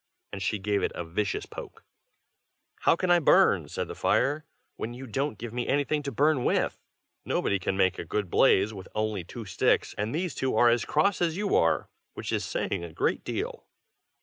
and she gave it a vicious poke. "How can I burn," said the fire, "when you don't give me anything to burn with? nobody can make a good blaze with only two sticks, and these two are as cross as you are, which is saying a great deal."